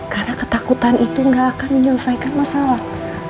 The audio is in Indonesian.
karena ketakutan itu gak akan menyelesaikan masalah